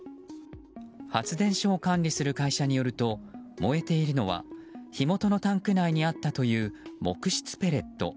発電所を管理する会社によると燃えているのは火元のタンク内にあったという木質ペレット。